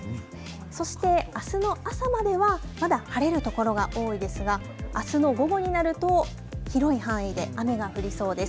そして、あすの朝まではまだ晴れるところが多いですがあすの午後になると広い範囲で雨が降りそうです。